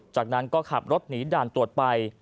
จากนั้นก็ขับรถหนีด่านตรวจไป